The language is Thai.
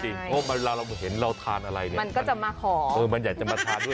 เพราะเวลาเราเห็นเราทานอะไรเนี่ยมันก็จะมาขอเออมันอยากจะมาทานด้วย